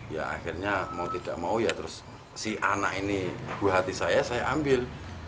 ya akhirnya mau tidak mau ya terus si anak ini buah hati saya saya ambil